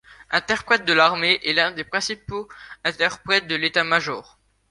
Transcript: Interprète de l'armée et l'un des principaux interprètes de l'état-major.